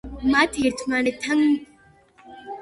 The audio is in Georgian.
მათ ერთმანეთთან კონტაქტის უფლება არ ჰქონდათ.